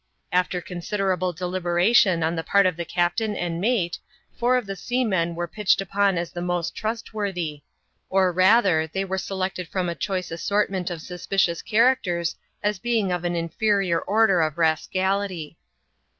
After considerable deliberation on the part of the captain and mate, four of the seamen were pitched upon as the most trustworthy ; or rather they were selected from a choice assortment of suspicious characters as being of an inferior order of rascality.